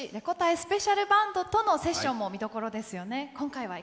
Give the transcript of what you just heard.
スペシャルバンドとのセッションも楽しみですよね。